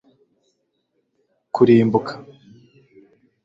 kurimbuka